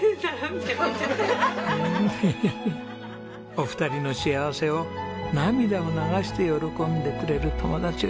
お二人の幸せを涙を流して喜んでくれる友達がいます。